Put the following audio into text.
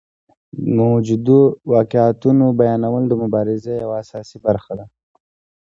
د موجودو واقعیتونو بیانول د مبارزې یوه اساسي برخه ده.